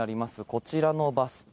こちらのバス停。